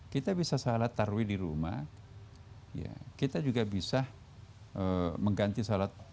kita bisa salat tarwih di rumah kita juga bisa mengganti salat jumlah